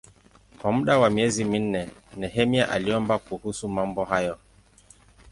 Kwa muda wa miezi minne Nehemia aliomba kuhusu mambo hayo.